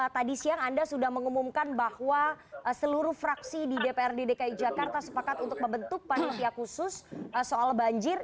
tadi siang anda sudah mengumumkan bahwa seluruh fraksi di dprd dki jakarta sepakat untuk membentuk panitia khusus soal banjir